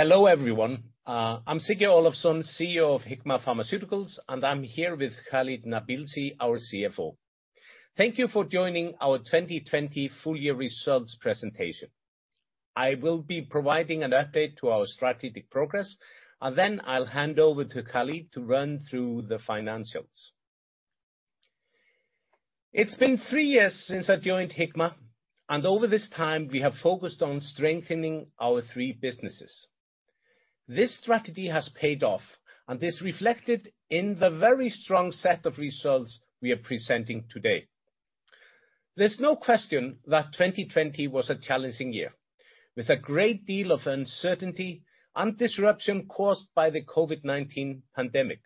Hello, everyone. I'm Siggi Olafsson, CEO of Hikma Pharmaceuticals, and I'm here with Khalid Nabilsi, our CFO. Thank you for joining our 2020 full year results presentation. I will be providing an update to our strategic progress, and then I'll hand over to Khalid to run through the financials. It's been three years since I joined Hikma, and over this time, we have focused on strengthening our three businesses. This strategy has paid off, and is reflected in the very strong set of results we are presenting today. There's no question that 2020 was a challenging year, with a great deal of uncertainty and disruption caused by the COVID-19 pandemic.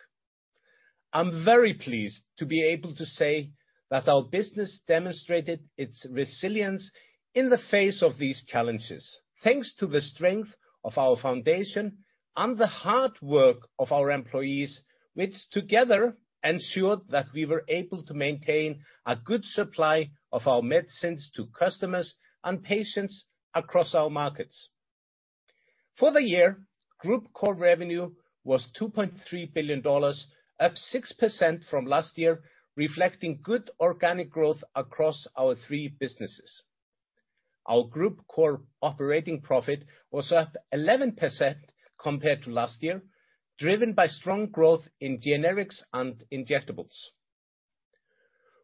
I'm very pleased to be able to say that our business demonstrated its resilience in the face of these challenges. Thanks to the strength of our foundation and the hard work of our employees, which together ensured that we were able to maintain a good supply of our medicines to customers and patients across our markets. For the year, group core revenue was $2.3 billion, up 6% from last year, reflecting good organic growth across our three businesses. Our group core operating profit was up 11% compared to last year, driven by strong growth in generics and injectables.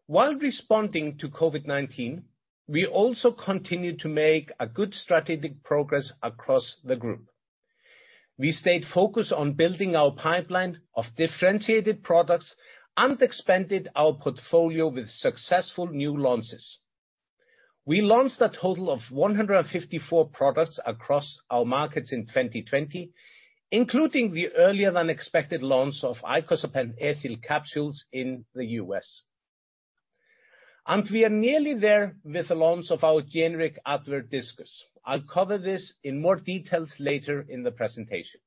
While responding to COVID-19, we also continued to make a good strategic progress across the group. We stayed focused on building our pipeline of differentiated products and expanded our portfolio with successful new launches. We launched a total of 154 products across our markets in 2020, including the earlier than expected launch of icosapent ethyl capsules in the U.S. We are nearly there with the launch of our generic Advair Diskus. I'll cover this in more details later in the presentation.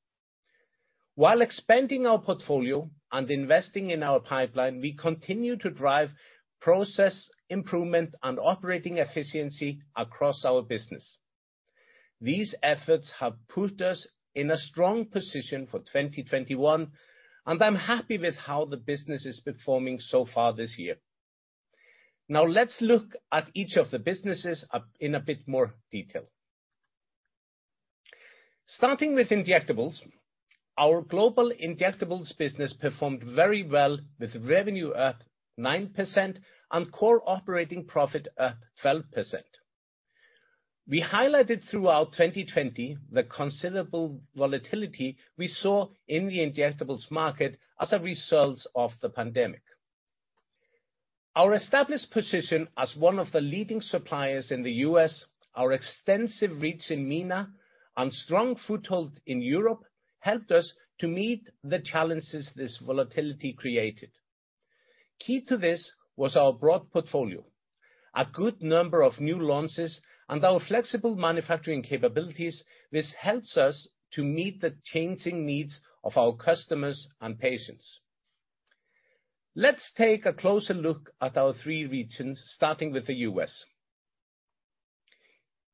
While expanding our portfolio and investing in our pipeline, we continue to drive process improvement and operating efficiency across our business. These efforts have put us in a strong position for 2021, and I'm happy with how the business is performing so far this year. Now, let's look at each of the businesses in a bit more detail. Starting with injectables. Our global injectables business performed very well, with revenue up 9% and core operating profit up 12%. We highlighted throughout 2020, the considerable volatility we saw in the injectables market as a result of the pandemic. Our established position as one of the leading suppliers in the U.S., our extensive reach in MENA, and strong foothold in Europe, helped us to meet the challenges this volatility created. Key to this was our broad portfolio, a good number of new launches, and our flexible manufacturing capabilities, which helps us to meet the changing needs of our customers and patients. Let's take a closer look at our three regions, starting with the U.S.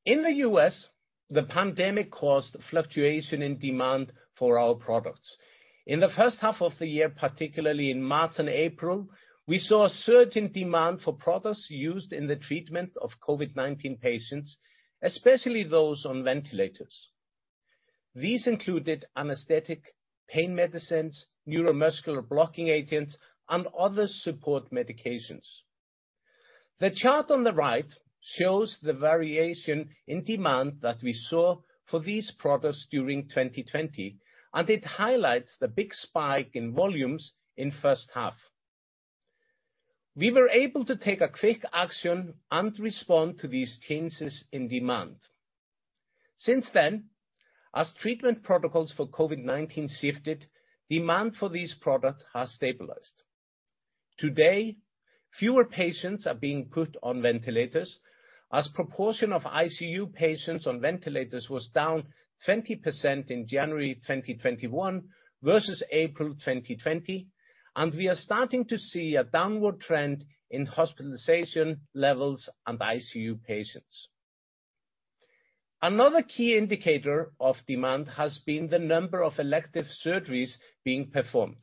In the U.S., the pandemic caused fluctuation in demand for our products. In the first half of the year, particularly in March and April, we saw a surge in demand for products used in the treatment of COVID-19 patients, especially those on ventilators. These included anesthetic, pain medicines, neuromuscular blocking agents, and other support medications. The chart on the right shows the variation in demand that we saw for these products during 2020, and it highlights the big spike in volumes in first half. We were able to take a quick action and respond to these changes in demand. Since then, as treatment protocols for COVID-19 shifted, demand for these products has stabilized. Today, fewer patients are being put on ventilators, as proportion of ICU patients on ventilators was down 20% in January 2021 versus April 2020, and we are starting to see a downward trend in hospitalization levels and ICU patients. Another key indicator of demand has been the number of elective surgeries being performed.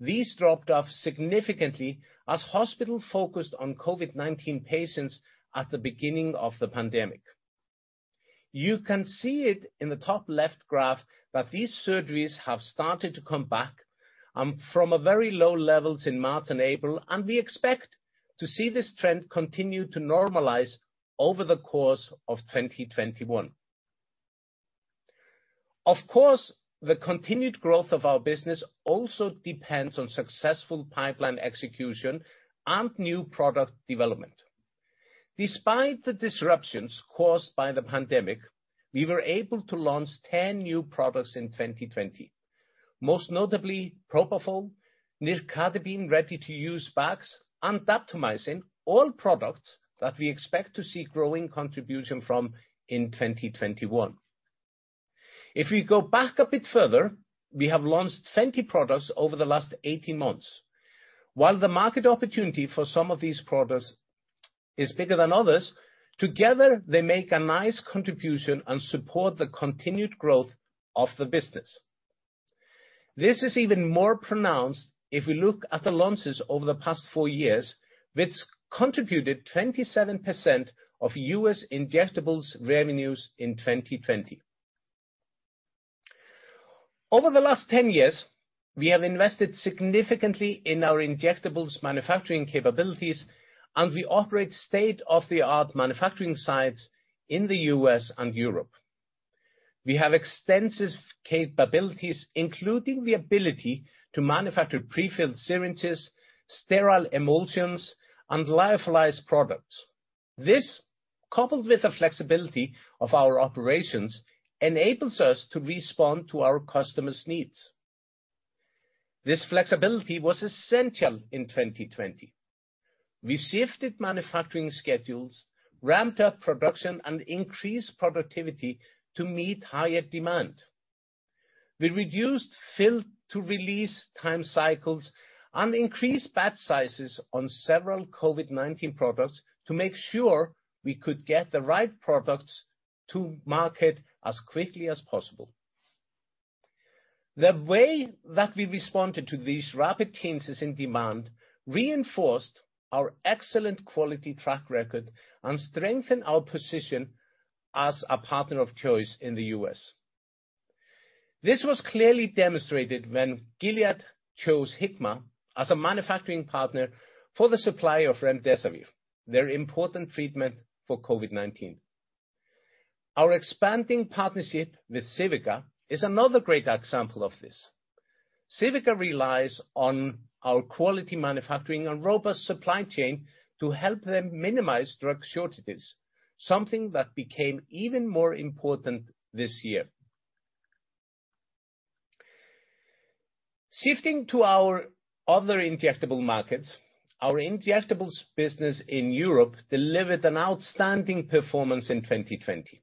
These dropped off significantly as hospital focused on COVID-19 patients at the beginning of the pandemic. You can see it in the top left graph that these surgeries have started to come back, from a very low levels in March and April, and we expect to see this trend continue to normalize over the course of 2021. Of course, the continued growth of our business also depends on successful pipeline execution and new product development. Despite the disruptions caused by the pandemic, we were able to launch 10 new products in 2020. Most notably, propofol, nicardipine ready-to-use bags, and daptomycin. All products that we expect to see growing contribution from in 2021. If we go back a bit further, we have launched 20 products over the last 18 months. While the market opportunity for some of these products is bigger than others, together, they make a nice contribution and support the continued growth of the business. This is even more pronounced if we look at the launches over the past 4 years, which contributed 27% of U.S. Injectables revenues in 2020. Over the last 10 years, we have invested significantly in our injectables manufacturing capabilities, and we operate state-of-the-art manufacturing sites in the U.S. and Europe. We have extensive capabilities, including the ability to manufacture prefilled syringes, sterile emulsions, and lyophilized products. This, coupled with the flexibility of our operations, enables us to respond to our customers' needs. This flexibility was essential in 2020. We shifted manufacturing schedules, ramped up production, and increased productivity to meet higher demand. We reduced fill to release time cycles and increased batch sizes on several COVID-19 products to make sure we could get the right products to market as quickly as possible. The way that we responded to these rapid changes in demand reinforced our excellent quality track record and strengthened our position as a partner of choice in the U.S. This was clearly demonstrated when Gilead chose Hikma as a manufacturing partner for the supply of remdesivir, their important treatment for COVID-19. Our expanding partnership with Civica is another great example of this. Civica relies on our quality manufacturing and robust supply chain to help them minimize drug shortages, something that became even more important this year. Shifting to our other injectable markets, our injectables business in Europe delivered an outstanding performance in 2020.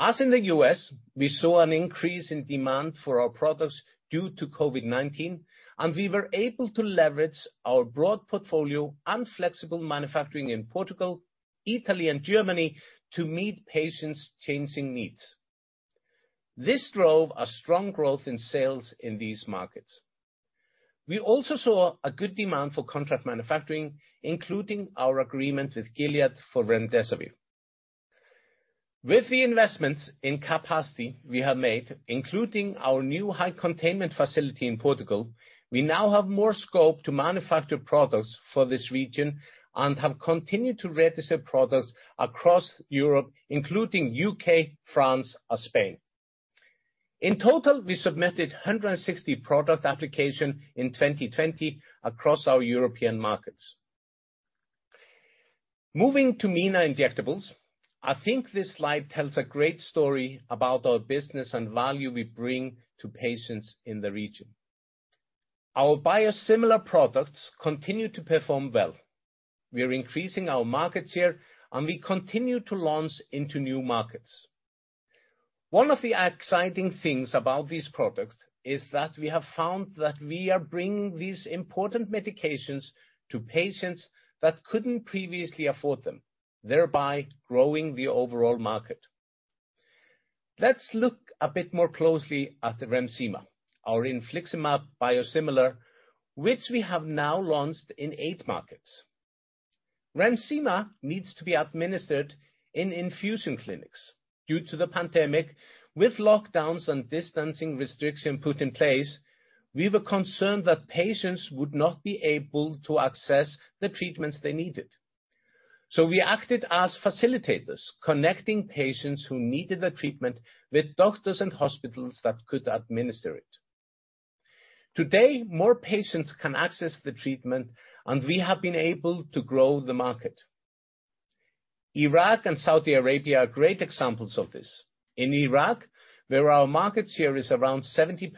As in the U.S., we saw an increase in demand for our products due to COVID-19, and we were able to leverage our broad portfolio and flexible manufacturing in Portugal, Italy, and Germany to meet patients' changing needs. This drove a strong growth in sales in these markets. We also saw a good demand for contract manufacturing, including our agreement with Gilead for remdesivir. With the investments in capacity we have made, including our new high containment facility in Portugal, we now have more scope to manufacture products for this region and have continued to register products across Europe, including UK, France, and Spain. In total, we submitted 160 product application in 2020 across our European markets. Moving to MENA Injectables, I think this slide tells a great story about our business and value we bring to patients in the region. Our biosimilar products continue to perform well. We are increasing our market share, and we continue to launch into new markets. One of the exciting things about these products is that we have found that we are bringing these important medications to patients that couldn't previously afford them, thereby growing the overall market. Let's look a bit more closely at the Remsima, our infliximab biosimilar, which we have now launched in eight markets. Remsima needs to be administered in infusion clinics. Due to the pandemic, with lockdowns and distancing restrictions put in place, we were concerned that patients would not be able to access the treatments they needed, so we acted as facilitators, connecting patients who needed the treatment with doctors and hospitals that could administer it. Today, more patients can access the treatment, and we have been able to grow the market. Iraq and Saudi Arabia are great examples of this. In Iraq, where our market share is around 70%,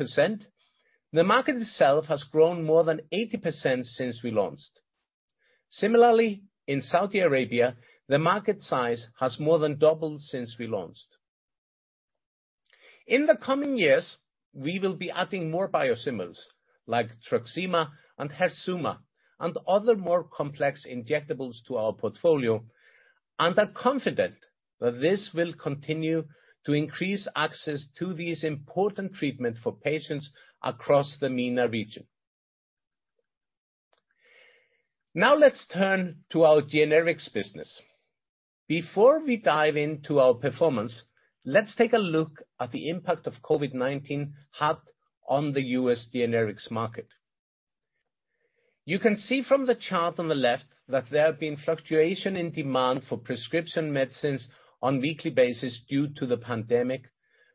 the market itself has grown more than 80% since we launched. Similarly, in Saudi Arabia, the market size has more than doubled since we launched. In the coming years, we will be adding more biosimilars, like Truxima and Herzuma, and other more complex injectables to our portfolio, and are confident that this will continue to increase access to these important treatment for patients across the MENA region. Now, let's turn to our Generics business. Before we dive into our performance, let's take a look at the impact of COVID-19 had on the U.S. Generics market. You can see from the chart on the left that there have been fluctuation in demand for prescription medicines on weekly basis due to the pandemic,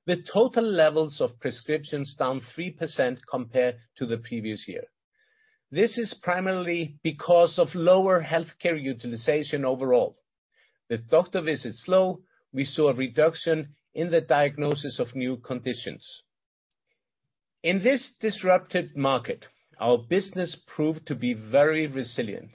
with total levels of prescriptions down 3% compared to the previous year. This is primarily because of lower healthcare utilization overall. With doctor visits low, we saw a reduction in the diagnosis of new conditions. In this disrupted market, our business proved to be very resilient.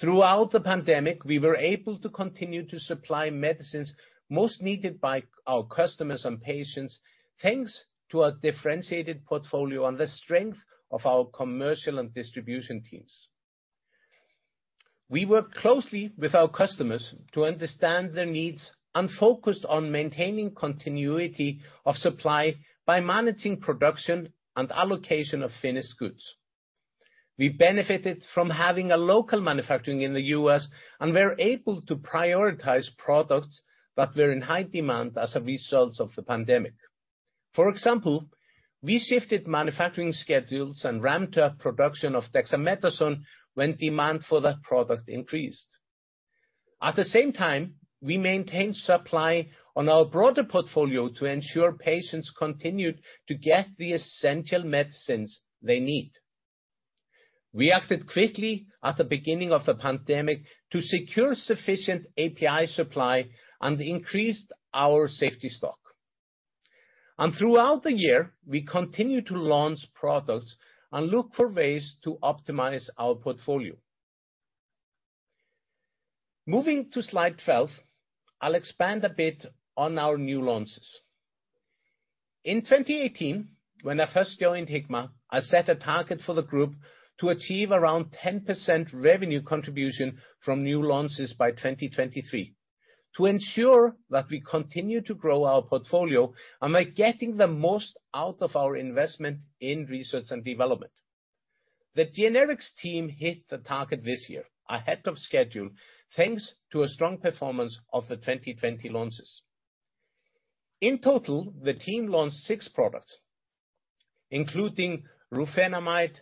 Throughout the pandemic, we were able to continue to supply medicines most needed by our customers and patients, thanks to our differentiated portfolio and the strength of our commercial and distribution teams.... We work closely with our customers to understand their needs and focused on maintaining continuity of supply by managing production and allocation of finished goods. We benefited from having a local manufacturing in the U.S., and we're able to prioritize products that were in high demand as a result of the pandemic. For example, we shifted manufacturing schedules and ramped up production of dexamethasone when demand for that product increased. At the same time, we maintained supply on our broader portfolio to ensure patients continued to get the essential medicines they need. We acted quickly at the beginning of the pandemic to secure sufficient API supply and increased our safety stock. Throughout the year, we continued to launch products and look for ways to optimize our portfolio. Moving to slide 12, I'll expand a bit on our new launches. In 2018, when I first joined Hikma, I set a target for the group to achieve around 10% revenue contribution from new launches by 2023, to ensure that we continue to grow our portfolio and by getting the most out of our investment in research and development. The Generics team hit the target this year, ahead of schedule, thanks to a strong performance of the 2020 launches. In total, the team launched six products, including rufinamide,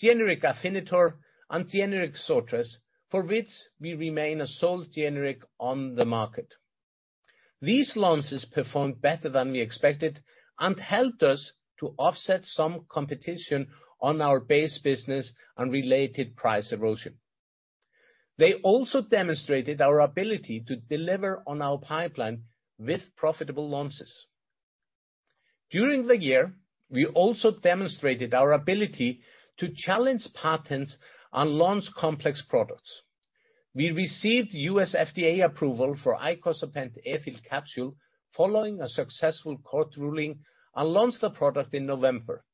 generic Afinitor, and generic Zortress, for which we remain a sole generic on the market. These launches performed better than we expected and helped us to offset some competition on our base business and related price erosion. They also demonstrated our ability to deliver on our pipeline with profitable launches. During the year, we also demonstrated our ability to challenge patents and launch complex products. We received U.S. FDA approval for icosapent ethyl capsule, following a successful court ruling, and launched the product in November.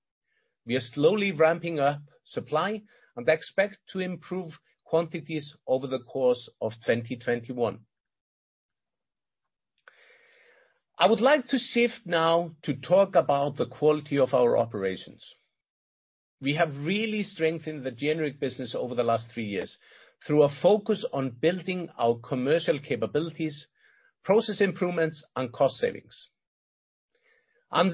We are slowly ramping up supply and expect to improve quantities over the course of 2021. I would like to shift now to talk about the quality of our operations. We have really strengthened the generic business over the last three years through a focus on building our commercial capabilities, process improvements, and cost savings.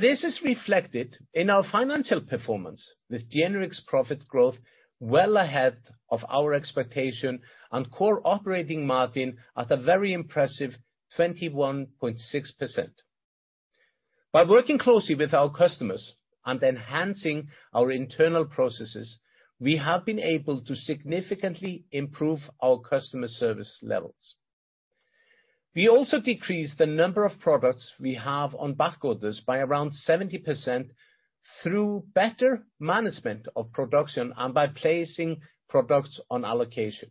This is reflected in our financial performance, with Generics profit growth well ahead of our expectation and core operating margin at a very impressive 21.6%. By working closely with our customers and enhancing our internal processes, we have been able to significantly improve our customer service levels. We also decreased the number of products we have on backorders by around 70% through better management of production and by placing products on allocation.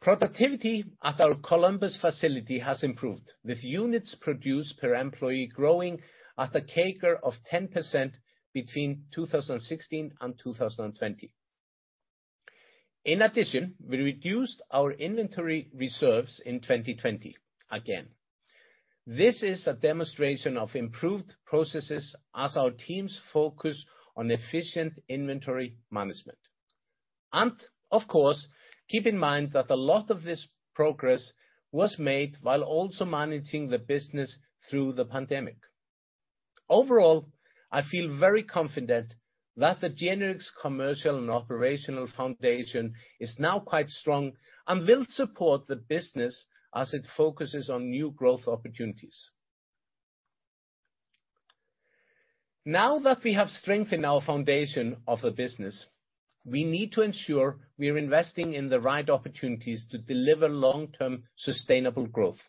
Productivity at our Columbus facility has improved, with units produced per employee growing at a CAGR of 10% between 2016 and 2020. In addition, we reduced our inventory reserves in 2020. Again, this is a demonstration of improved processes as our teams focus on efficient inventory management. Of course, keep in mind that a lot of this progress was made while also managing the business through the pandemic. Overall, I feel very confident that the Generics commercial and operational foundation is now quite strong and will support the business as it focuses on new growth opportunities. Now that we have strengthened our foundation of the business, we need to ensure we are investing in the right opportunities to deliver long-term sustainable growth.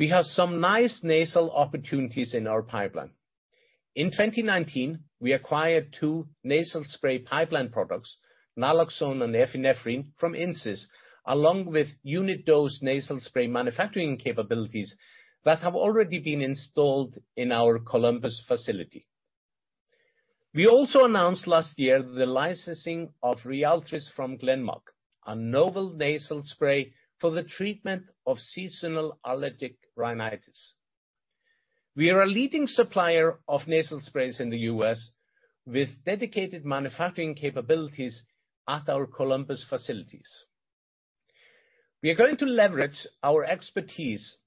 We have some nice nasal opportunities in our pipeline. In 2019, we acquired two nasal spray pipeline products, naloxone and epinephrine, from Insys, along with unit dose nasal spray manufacturing capabilities that have already been installed in our Columbus facility. We also announced last year the licensing of Ryaltris from Glenmark, a novel nasal spray for the treatment of seasonal allergic rhinitis. We are a leading supplier of nasal sprays in the U.S. with dedicated manufacturing capabilities at our Columbus facilities. We are going to leverage our expertise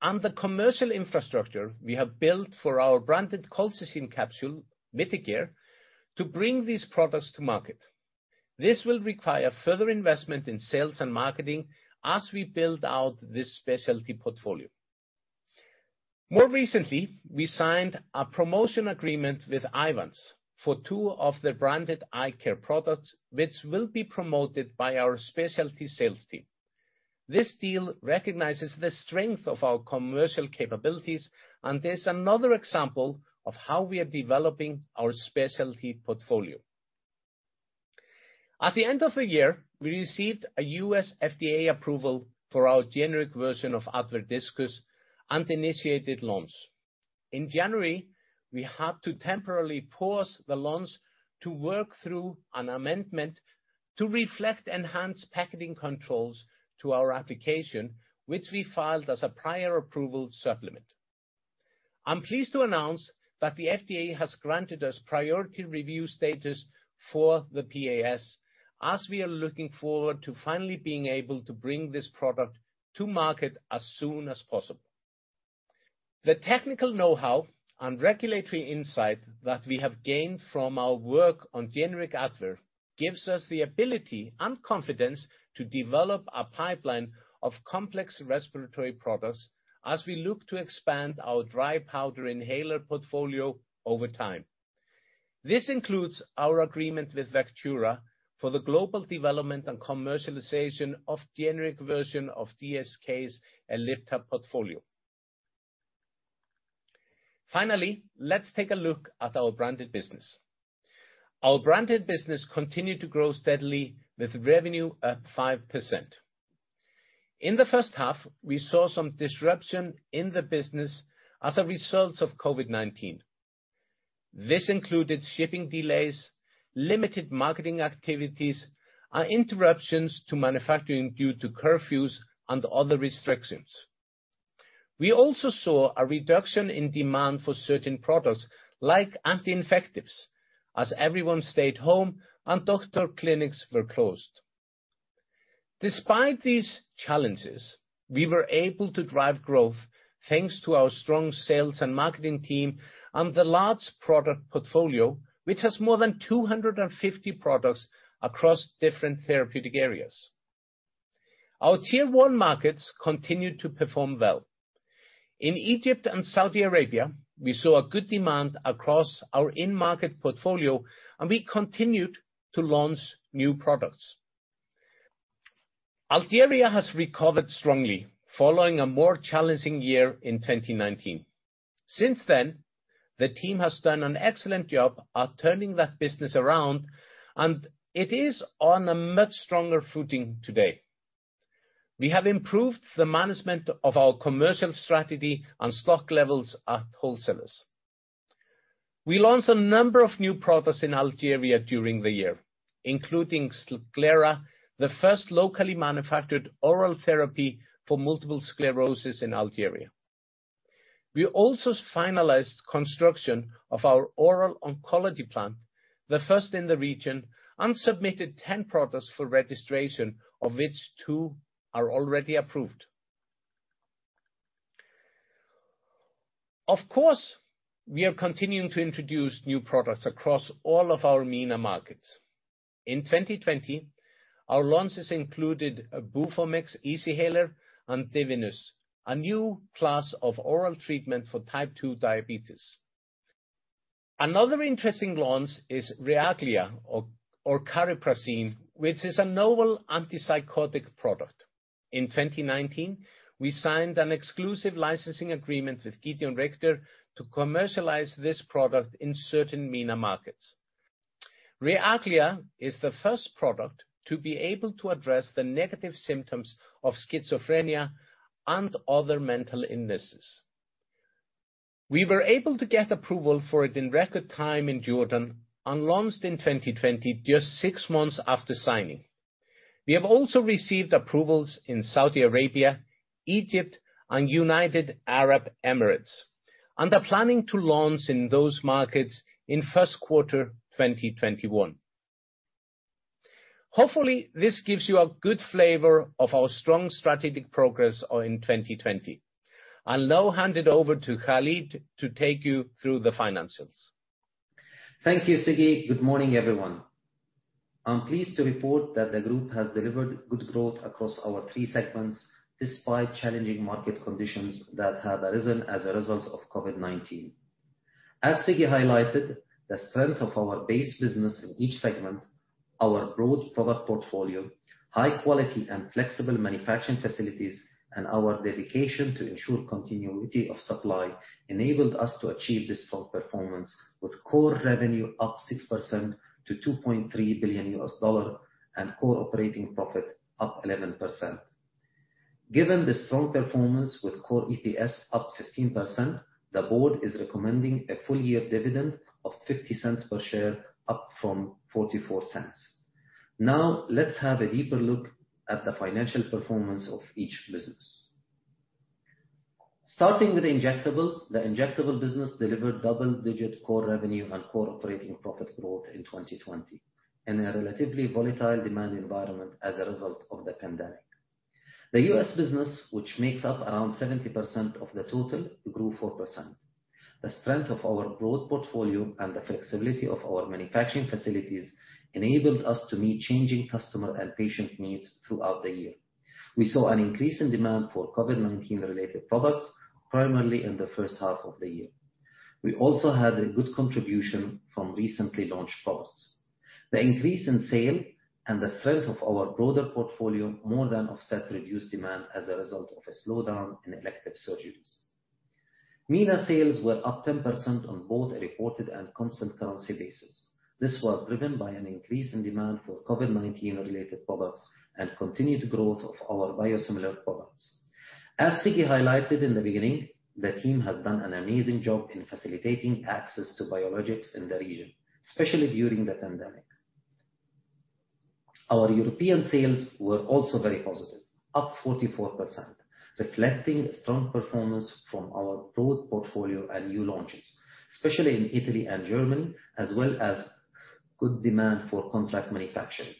and the commercial infrastructure we have built for our branded colchicine capsule, Mitigare, to bring these products to market. This will require further investment in sales and marketing as we build out this specialty portfolio. More recently, we signed a promotion agreement with Eyevance for two of the branded eye care products, which will be promoted by our specialty sales team. This deal recognizes the strength of our commercial capabilities, and is another example of how we are developing our specialty portfolio. At the end of the year, we received a U.S. FDA approval for our generic version of Advair Diskus and initiated launch. In January, we had to temporarily pause the launch to work through an amendment to reflect enhanced packaging controls to our application, which we filed as a prior approval supplement. I'm pleased to announce that the FDA has granted us priority review status for the PAS, as we are looking forward to finally being able to bring this product to market as soon as possible. The technical know-how and regulatory insight that we have gained from our work on generic Advair gives us the ability and confidence to develop a pipeline of complex respiratory products as we look to expand our dry powder inhaler portfolio over time. This includes our agreement with Vectura for the global development and commercialization of generic version of GSK's Ellipta portfolio. Finally, let's take a look at our branded business. Our branded business continued to grow steadily, with revenue up 5%. In the first half, we saw some disruption in the business as a result of COVID-19. This included shipping delays, limited marketing activities, and interruptions to manufacturing due to curfews and other restrictions. We also saw a reduction in demand for certain products, like anti-infectives, as everyone stayed home and doctor clinics were closed. Despite these challenges, we were able to drive growth, thanks to our strong sales and marketing team and the large product portfolio, which has more than 250 products across different therapeutic areas. Our Tier one markets continued to perform well. In Egypt and Saudi Arabia, we saw a good demand across our in-market portfolio, and we continued to launch new products. Algeria has recovered strongly, following a more challenging year in 2019. Since then, the team has done an excellent job at turning that business around, and it is on a much stronger footing today. We have improved the management of our commercial strategy and stock levels at wholesalers. We launched a number of new products in Algeria during the year, including Skilara, the first locally manufactured oral therapy for multiple sclerosis in Algeria. We also finalized construction of our oral oncology plant, the first in the region, and submitted 10 products for registration, of which two are already approved. Of course, we are continuing to introduce new products across all of our MENA markets. In 2020, our launches included Bufomix Easyhaler and Tevenz, a new class of oral treatment for type two diabetes. Another interesting launch is Reagila or cariprazine, which is a novel antipsychotic product. In 2019, we signed an exclusive licensing agreement with Gedeon Richter to commercialize this product in certain MENA markets. Reagila is the first product to be able to address the negative symptoms of schizophrenia and other mental illnesses. We were able to get approval for it in record time in Jordan and launched in 2020, just six months after signing. We have also received approvals in Saudi Arabia, Egypt, and United Arab Emirates, and are planning to launch in those markets in first quarter 2021. Hopefully, this gives you a good flavor of our strong strategic progress in 2020. I'll now hand it over to Khalid to take you through the financials. Thank you, Siggi. Good morning, everyone. I'm pleased to report that the group has delivered good growth across our three segments, despite challenging market conditions that have arisen as a result of COVID-19. As Siggi highlighted, the strength of our base business in each segment, our broad product portfolio, high quality and flexible manufacturing facilities, and our dedication to ensure continuity of supply, enabled us to achieve this strong performance, with core revenue up 6% to $2.3 billion, and core operating profit up 11%. Given the strong performance with core EPS up 15%, the board is recommending a full year dividend of $0.50 per share, up from $0.44. Now, let's have a deeper look at the financial performance of each business. Starting with injectables, the injectable business delivered double-digit core revenue and core operating profit growth in 2020, in a relatively volatile demand environment as a result of the pandemic. The U.S. business, which makes up around 70% of the total, grew 4%. The strength of our growth portfolio and the flexibility of our manufacturing facilities enabled us to meet changing customer and patient needs throughout the year. We saw an increase in demand for COVID-19-related products, primarily in the first half of the year. We also had a good contribution from recently launched products. The increase in sale and the strength of our broader portfolio more than offset reduced demand as a result of a slowdown in elective surgeries. MENA sales were up 10% on both a reported and constant currency basis.... This was driven by an increase in demand for COVID-19 related products and continued growth of our biosimilar products. As Siggi highlighted in the beginning, the team has done an amazing job in facilitating access to biologics in the region, especially during the pandemic. Our European sales were also very positive, up 44%, reflecting strong performance from our broad portfolio and new launches, especially in Italy and Germany, as well as good demand for contract manufacturing,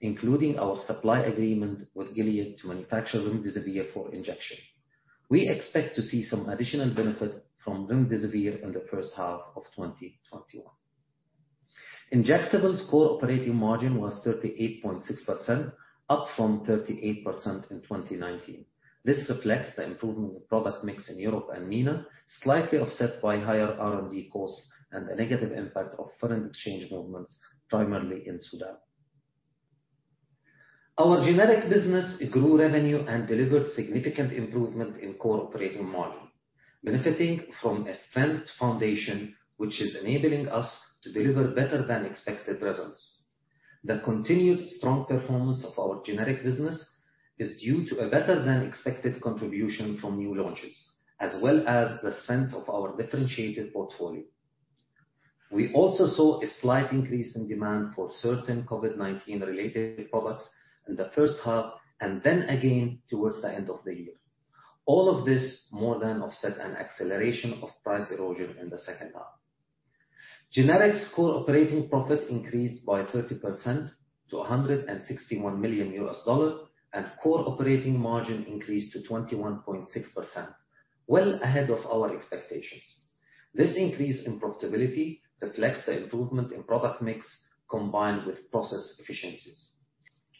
including our supply agreement with Gilead to manufacture remdesivir for injection. We expect to see some additional benefit from remdesivir in the first half of 2021. Injectables core operating margin was 38.6%, up from 38% in 2019. This reflects the improvement in product mix in Europe and MENA, slightly offset by higher R&D costs and a negative impact of foreign exchange movements, primarily in Sudan. Our generic business grew revenue and delivered significant improvement in core operating margin, benefiting from a strength foundation, which is enabling us to deliver better than expected results. The continued strong performance of our generic business is due to a better than expected contribution from new launches, as well as the strength of our differentiated portfolio. We also saw a slight increase in demand for certain COVID-19 related products in the first half, and then again, towards the end of the year. All of this more than offset an acceleration of price erosion in the second half. Generics core operating profit increased by 30% to $161 million, and core operating margin increased to 21.6%, well ahead of our expectations. This increase in profitability reflects the improvement in product mix, combined with process efficiencies.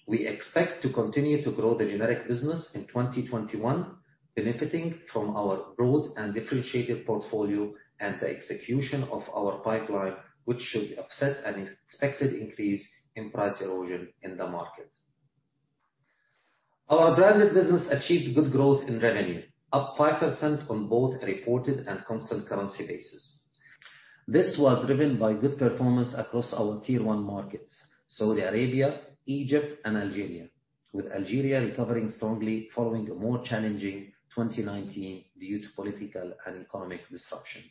We expect to continue to grow the generic business in 2021, benefiting from our broad and differentiated portfolio and the execution of our pipeline, which should offset an expected increase in price erosion in the market. Our branded business achieved good growth in revenue, up 5% on both reported and constant currency basis. This was driven by good performance across our Tier one markets, Saudi Arabia, Egypt, and Algeria, with Algeria recovering strongly following a more challenging 2019 due to political and economic disruptions.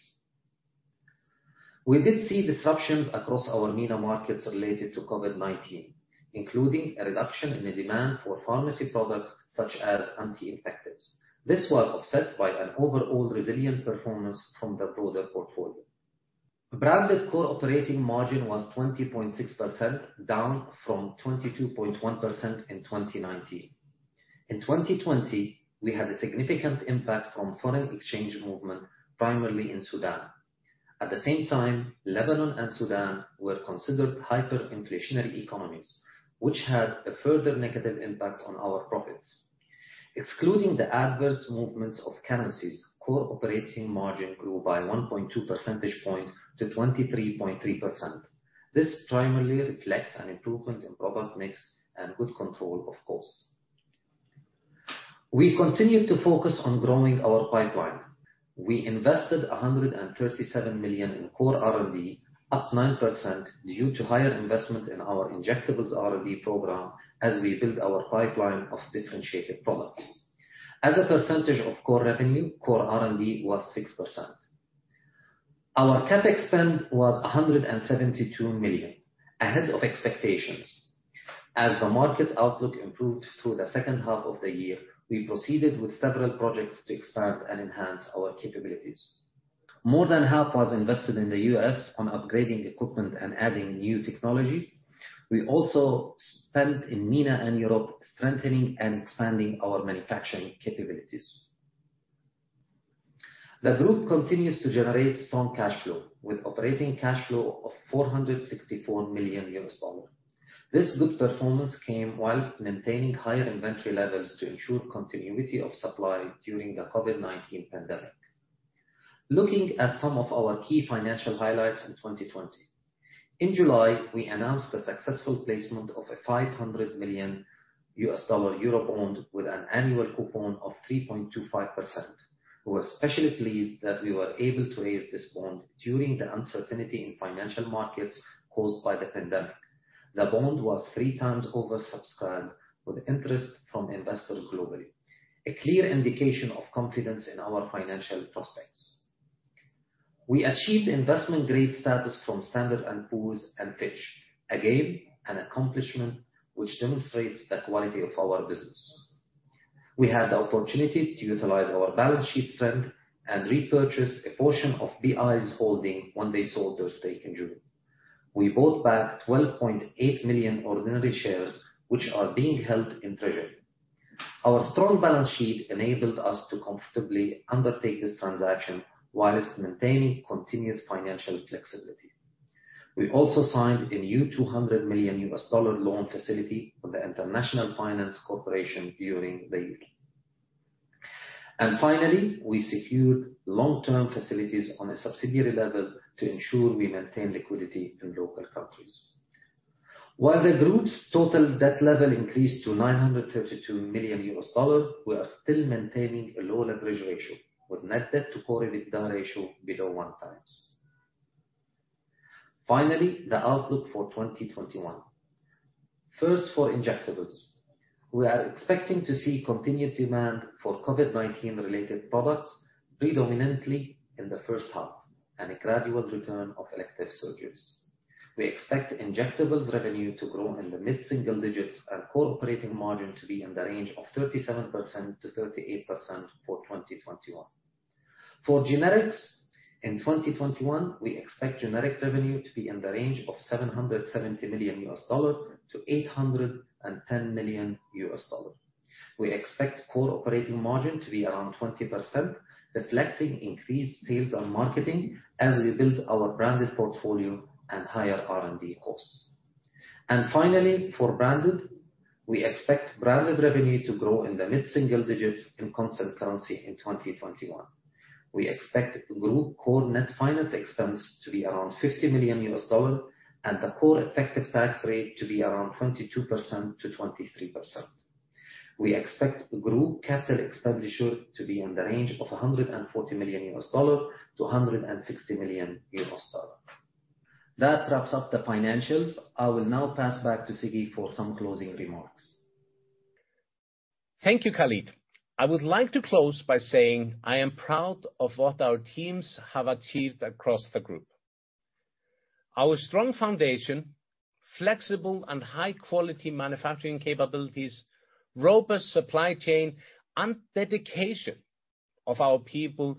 We did see disruptions across our MENA markets related to COVID-19, including a reduction in the demand for pharmacy products such as anti-infectives. This was offset by an overall resilient performance from the broader portfolio. Branded core operating margin was 20.6%, down from 22.1% in 2019. In 2020, we had a significant impact from foreign exchange movement, primarily in Sudan. At the same time, Lebanon and Sudan were considered hyperinflationary economies, which had a further negative impact on our profits. Excluding the adverse movements of currencies, core operating margin grew by 1.2 percentage points to 23.3%. This primarily reflects an improvement in product mix and good control, of course. We continue to focus on growing our pipeline. We invested $137 million in core R&D, up 9%, due to higher investment in our injectables R&D program as we build our pipeline of differentiated products. As a percentage of core revenue, core R&D was 6%. Our CapEx spend was $172 million, ahead of expectations. As the market outlook improved through the second half of the year, we proceeded with several projects to expand and enhance our capabilities. More than half was invested in the U.S. on upgrading equipment and adding new technologies. We also spent in MENA and Europe, strengthening and expanding our manufacturing capabilities. The group continues to generate strong cash flow, with operating cash flow of $464 million. This good performance came whilst maintaining higher inventory levels to ensure continuity of supply during the COVID-19 pandemic. Looking at some of our key financial highlights in 2020. In July, we announced the successful placement of a $500 million Eurobond, with an annual coupon of 3.25%. We're especially pleased that we were able to raise this bond during the uncertainty in financial markets caused by the pandemic. The bond was 3 times oversubscribed, with interest from investors globally, a clear indication of confidence in our financial prospects. We achieved investment grade status from Standard & Poor's and Fitch, again, an accomplishment which demonstrates the quality of our business. We had the opportunity to utilize our balance sheet strength and repurchase a portion of BI's holding when they sold their stake in June. We bought back 12.8 million ordinary shares, which are being held in treasury. Our strong balance sheet enabled us to comfortably undertake this transaction while maintaining continued financial flexibility. We also signed a new $200 million loan facility with the International Finance Corporation during the year. Finally, we secured long-term facilities on a subsidiary level to ensure we maintain liquidity in local countries.... While the group's total debt level increased to $932 million, we are still maintaining a low leverage ratio, with net debt to Core EBITDA ratio below 1 times. Finally, the outlook for 2021. First, for Injectables, we are expecting to see continued demand for COVID-19 related products, predominantly in the first half, and a gradual return of elective surgeries. We expect Injectables revenue to grow in the mid-single digits and core operating margin to be in the range of 37%-38% for 2021. For Generics, in 2021, we expect generic revenue to be in the range of $770 million-$810 million. We expect core operating margin to be around 20%, reflecting increased sales and marketing as we build our branded portfolio and higher R&D costs. Finally, for branded, we expect branded revenue to grow in the mid-single digits in constant currency in 2021. We expect group core net finance expense to be around $50 million and the core effective tax rate to be around 22%-23%. We expect group capital expenditure to be in the range of $140 million-$160 million. That wraps up the financials. I will now pass back to Siggi for some closing remarks. Thank you, Khalid. I would like to close by saying I am proud of what our teams have achieved across the group. Our strong foundation, flexible and high-quality manufacturing capabilities, robust supply chain, and dedication of our people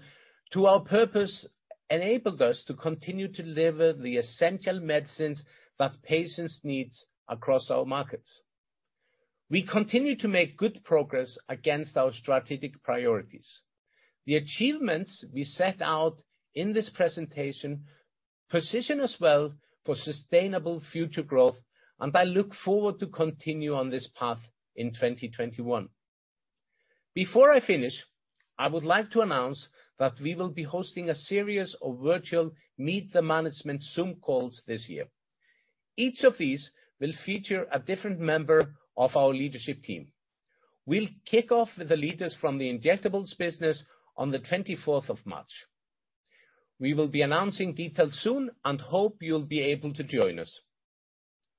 to our purpose enabled us to continue to deliver the essential medicines that patients needs across our markets. We continue to make good progress against our strategic priorities. The achievements we set out in this presentation position us well for sustainable future growth, and I look forward to continue on this path in 2021. Before I finish, I would like to announce that we will be hosting a series of virtual Meet the Management Zoom calls this year. Each of these will feature a different member of our leadership team. We'll kick off with the leaders from the injectables business on the twenty-fourth of March. We will be announcing details soon and hope you'll be able to join us.